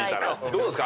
どうですか？